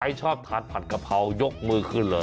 ชอบทานผัดกะเพรายกมือขึ้นเลย